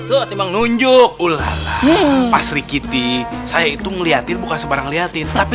tuh timbang nunjuk ulaa pasri kitty saya itu ngeliatin bukan sebarang liatin tapi